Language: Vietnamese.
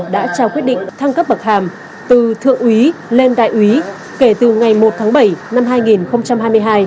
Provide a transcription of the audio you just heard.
đã trao quyết định thăng cấp bậc hàm từ thượng úy lên đại úy kể từ ngày một tháng bảy năm hai nghìn hai mươi hai